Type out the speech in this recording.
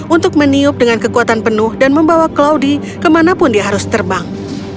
untuk meniup dengan kekuatan penuh dan membawa claudie kemanapun dia harus terbang